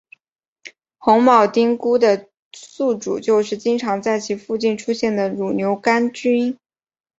红铆钉菇的宿主就是经常在其附近出现的乳牛肝菌。